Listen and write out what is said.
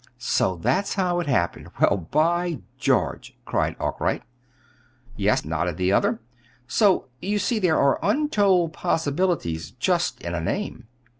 "So that's how it happened! Well, by George!" cried Arkwright. "Yes," nodded the other. "So you see there are untold possibilities just in a name.